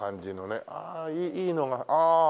ああいいのがああ。